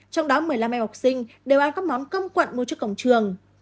trong đó một mươi năm em học sinh đều ăn các món cơm quặn mua trước cổng trường